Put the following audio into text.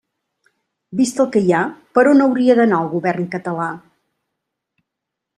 Vist el que hi ha, ¿per on hauria d'anar el Govern català?